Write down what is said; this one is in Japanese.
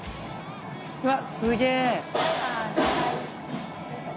うわっすげえ。